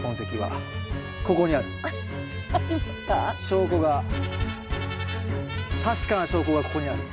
証拠が確かな証拠がここにある。